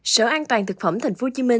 sở an toàn thực phẩm tp hcm